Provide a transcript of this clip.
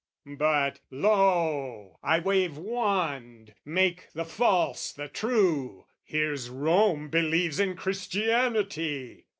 But, lo, I wave wand, make the false the true! Here's Rome believes in Christianity!